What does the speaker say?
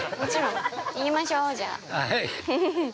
行きましょう、じゃあ。